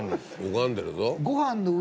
拝んでるぞ。